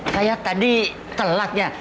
saya tadi telatnya